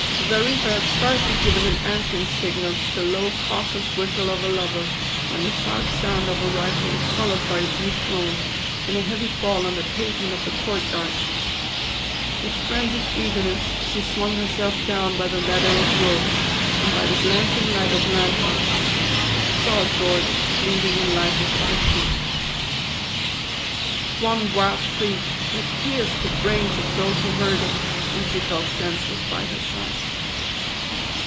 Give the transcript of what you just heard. Xarifa had scarcely given an answering signal to the low cautious whistle of her lover, when the sharp sound of a rifle was followed by a deep groan, and a heavy fall on the pavement of the court yard. With frenzied eagerness she swung herself down by the ladder of ropes, and, by the glancing light of lanthorns, saw George, bleeding and lifeless at her feet. One wild shriek, that pierced the brains of those who heard it, and she fell senseless by his side.